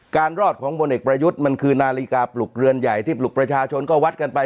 รอดของพลเอกประยุทธ์มันคือนาฬิกาปลุกเรือนใหญ่ที่ปลุกประชาชนก็วัดกันไป